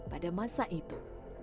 pada masa itu